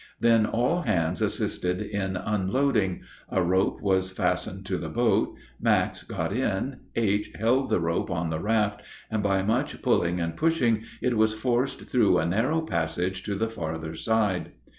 Then all hands assisted in unloading; a rope was fastened to the boat, Max got in, H. held the rope on the raft, and, by much pulling and pushing, it was forced through a narrow passage to the farther side.